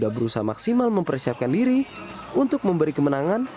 dan juga maksimal mempersiapkan diri untuk memberi kemenangan